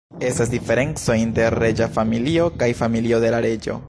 Estas diferenco inter reĝa familio kaj familio de la reĝo.